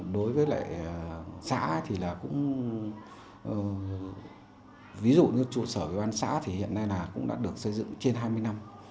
đối với lại xã thì là cũng ví dụ như chủ sở cái bán xã thì hiện nay là cũng đã được xây dựng trên hai mươi năm